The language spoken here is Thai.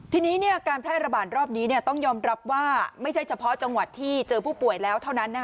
ทีนี้การแพร่ระบาดรอบนี้ต้องยอมรับว่าไม่ใช่เฉพาะจังหวัดที่เจอผู้ป่วยแล้วเท่านั้น